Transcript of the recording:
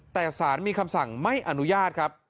แต่สารมีคำสั่งไม่อนุญาตครับ